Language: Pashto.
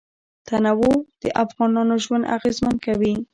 تنوع د افغانانو ژوند اغېزمن کوي.